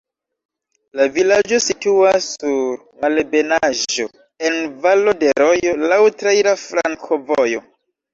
La vilaĝo situas sur malebenaĵo, en valo de rojo, laŭ traira flankovojo.